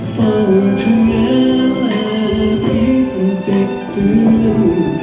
เฝ้าเธอแม้ละพิษติดเตือน